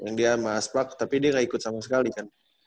yang dia sama asplak tapi dia enggak ikut sama sekali kan